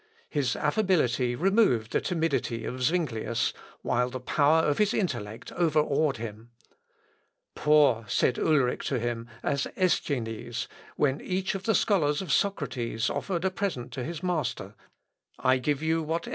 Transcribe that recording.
His affability removed the timidity of Zuinglius, while the power of his intellect overawed him. "Poor," said Ulric to him, "as Eschines, when each of the scholars of Socrates offered a present to his master, I give you what Eschines gave I give you myself."